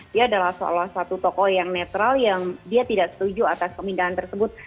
dia adalah salah satu tokoh yang netral yang dia tidak setuju atas pemindahan tersebut